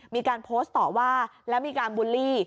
มีการโพสต์ต่อว่าแล้วมีการบูลลี่